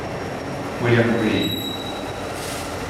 William Green